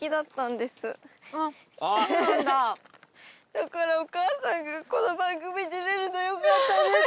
だからお母さんがこの番組出られてよかったねって。